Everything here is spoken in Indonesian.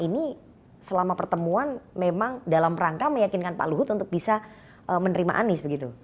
ini selama pertemuan memang dalam rangka meyakinkan pak luhut untuk bisa menerima anies begitu